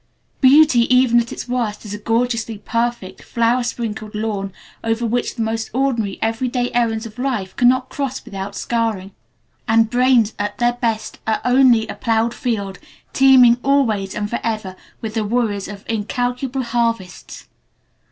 Beauty even at its worst is a gorgeously perfect, flower sprinkled lawn over which the most ordinary, every day errands of life cannot cross without scarring. And brains at their best are only a ploughed field teeming always and forever with the worries of incalculable harvests.